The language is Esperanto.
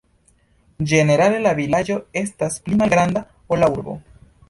Ĝenerale la vilaĝo estas pli malgranda, ol la urbo.